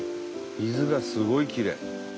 水がすごいきれい。